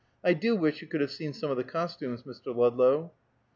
I do wish you could have seen some of the costumes, Mr. Ludlow!"